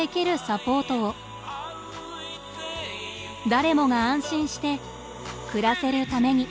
誰もが安心して暮らせるために。